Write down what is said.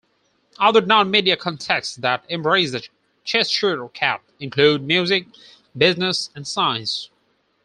Other non-media contexts that embrace the Cheshire Cat include music, business, and science.